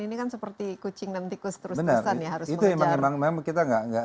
ini kan seperti kucing dan tikus terus terusan ya harus mengejar